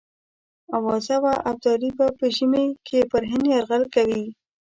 آوازه وه ابدالي به په ژمي کې پر هند یرغل کوي.